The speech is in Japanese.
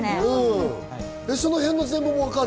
その辺の全貌もわかる？